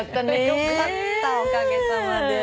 よかったおかげさまで。